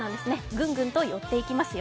ぐんぐんと寄っていきますよ。